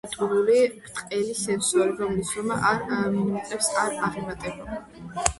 მინიატურული, ბრტყელი სენსორი, რომლის ზომა ორ მილიმეტრს არ აღემატება.